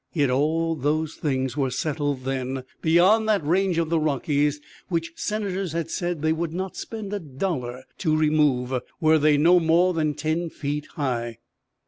Yet all those things were settled then, beyond that range of the Rockies which senators had said they would not spend a dollar to remove, "were they no more than ten feet high."